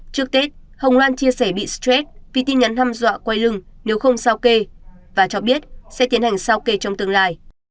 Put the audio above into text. trước tết hồng loan chia sẻ bị stress vì tin nhắn hâm dọa quay lưng nếu không sao kê và cho biết sẽ tiến hành sao kê trong tương lai